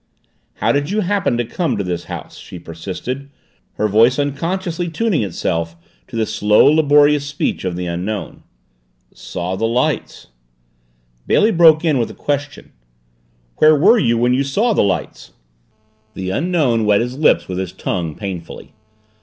"How did you happen to come to this house?" she persisted, her voice unconsciously tuning itself to the slow, laborious speech of the Unknown. "Saw the lights." Bailey broke in with a question. "Where were you when you saw the lights?" The Unknown wet his lips with his tongue, painfully.